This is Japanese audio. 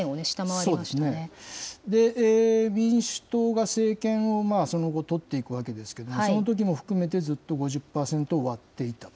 で、民主党が政権をその後、取っていくわけですけども、そのときも含めて、ずっと５０％を割っていた。